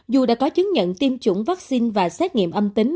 dù đã có chứng nhận tiêm chủng vaccine và xét nghiệm âm tính